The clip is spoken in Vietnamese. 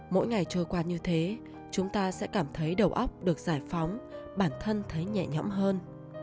mỗi ngày trôi qua như thế chúng ta sẽ cảm thấy đầu óc được giải phóng bản thân thấy nhẹ nhõm hơn